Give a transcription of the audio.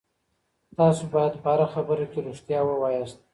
تاسو باید په هره خبره کي ریښتیا ووایاست.